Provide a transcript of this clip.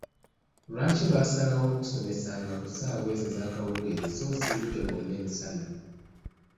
Lwaki baasalawo okusomesanga ku ssaawa ezo ezakawungeezi so si budde bwonna emisana?